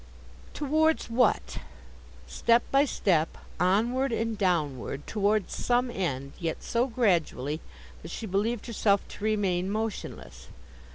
Towards what? Step by step, onward and downward, towards some end, yet so gradually, that she believed herself to remain motionless.